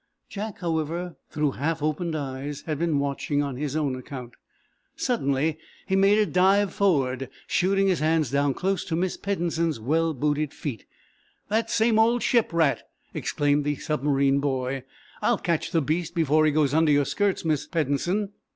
Jack, however, through half open eyes, had been watching on his own account. Suddenly he made a dive forward, shooting his hands down close to Miss Peddensen's well booted feet. "That same old ship rat!" exclaimed the submarine boy. "I'll catch the beast before he goes under your skirts, Miss Peddensen."